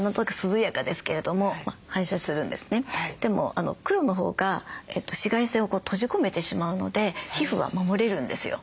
でも黒のほうが紫外線を閉じ込めてしまうので皮膚は守れるんですよ。